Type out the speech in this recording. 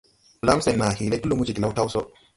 Blam sen naa hee le ti lumo Jiglao taw so.